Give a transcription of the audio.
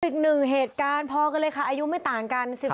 อีกหนึ่งเหตุการณ์พอกันเลยค่ะอายุไม่ต่างกัน